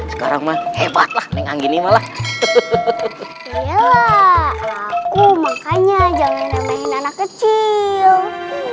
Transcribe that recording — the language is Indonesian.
sekarang hebatlah dengan gini malah aku makanya jangan anak kecil